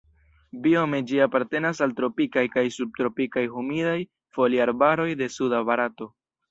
Biome ĝi apartenas al tropikaj kaj subtropikaj humidaj foliarbaroj de suda Barato.